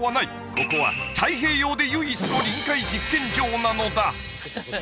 ここは太平洋で唯一の臨海実験場なのだ！